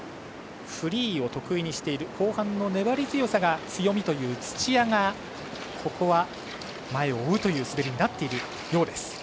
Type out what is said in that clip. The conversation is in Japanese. フリーを得意にしている後半の粘り強さが強みという土屋が前を追う滑りになってるようです。